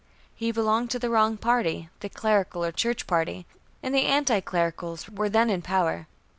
He belonged to the wrong party, the Clerical, or Church Party, and the Anti Clericals were then in power.